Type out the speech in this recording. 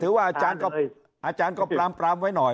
ถือว่าอาจารย์ก็ปรามไว้หน่อย